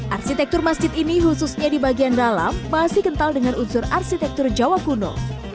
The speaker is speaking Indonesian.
arsitektur masjid ini khususnya di bagian dalam masih kental dengan unsur arsitektur jawa kuno